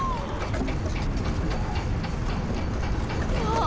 ああ。